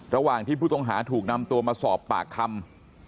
ระหว่างที่ผู้ต้องหาถูกนำตัวมาสอบปากคำ